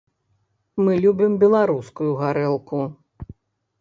Мы любім беларускую гарэлку.